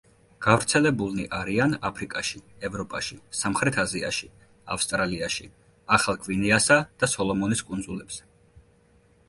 გავრცელებულნი არიან აფრიკაში, ევროპაში, სამხრეთ აზიაში, ავსტრალიაში, ახალ გვინეასა და სოლომონის კუნძულებზე.